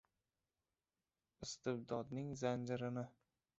Istibdodnnng zanjirini